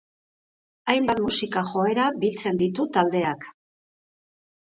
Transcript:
Hainbat musika joera biltzen ditu taldeak.